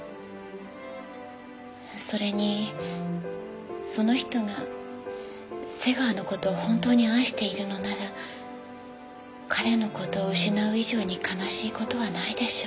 それにその人が瀬川の事を本当に愛しているのなら彼の事を失う以上に悲しい事はないでしょう。